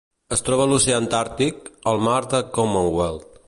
Es troba a l'oceà Antàrtic: el mar de Commonwealth.